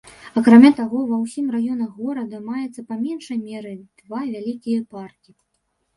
Акрамя таго, ва ўсім раёнах горада маецца па меншай меры два вялікія паркі.